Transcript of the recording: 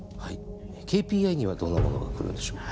ＫＰＩにはどんなものが来るんでしょう？